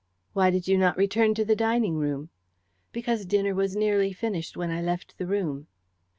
"Why did you not return to the dining room?" "Because dinner was nearly finished when I left the room."